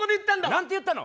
何て言ったの？